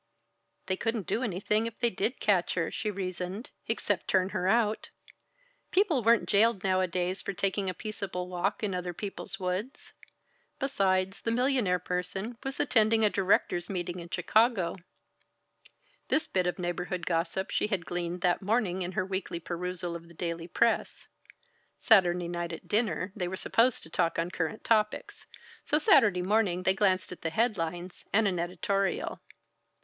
They couldn't do anything if they did catch her, she reasoned, except turn her out. People weren't jailed nowadays for taking a peaceable walk in other people's woods. Besides, the millionaire person was attending a directors' meeting in Chicago. This bit of neighborhood gossip she had gleaned that morning in her weekly perusal of the daily press Saturday night at dinner they were supposed to talk on current topics, so Saturday morning they glanced at the headlines and an editorial.